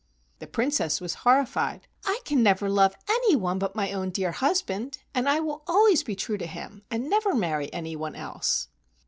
The Princess was horrified. "I can never love any one but my own dear husband, and I will always be true to him and never marry any one else."